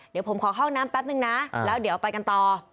เดี๋ยวผมขอเข้าห้องน้ำแป๊บนึงนะแล้วเดี๋ยวไปกันต่อ